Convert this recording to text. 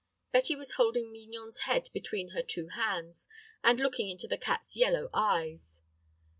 Betty was holding Mignon's head between her two hands, and looking into the cat's yellow eyes.